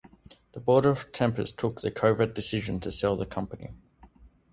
The Board of Tempus took the covert decision to sell the company.